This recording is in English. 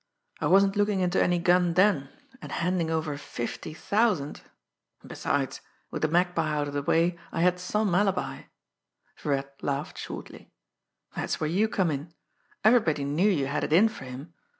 I wasn't looking into any gun then, and handing over fifty thousand and besides, with the Magpie out of the way, I had some alibi." Virat laughed shortly. "That's where you come in. Everybody knew you had it in for him.